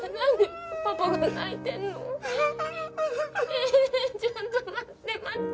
ええっちょっと待って待って！